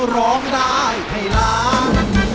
ร้องได้ให้ล้าน